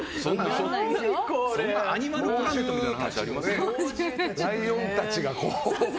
そんなアニマルプラネットみたいな話あります？